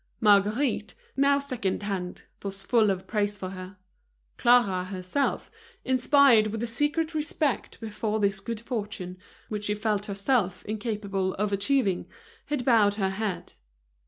Marguerite, now second hand, was full of praise for her. Clara, herself, inspired with a secret respect before this good fortune, which she felt herself incapable of achieving, had bowed her head.